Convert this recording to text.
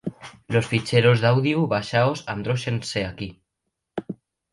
Los ficheros d'audiu baxaos atróxense equí.